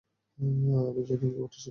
আমি জানি কী ঘটেছিল।